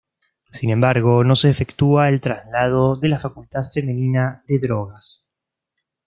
Sin embargo no se efectúa el traslado de la facultad femenina de drogas.